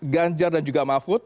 ganjar dan juga mahwud